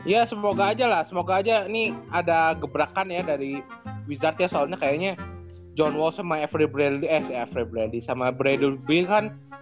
ya semoga aja lah semoga aja ini ada gebrakan ya dari wizardnya soalnya kayaknya john wall sama bradley eh sama bradley kan